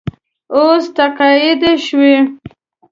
اوس تقاعد شوی.